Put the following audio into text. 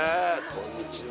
こんにちは。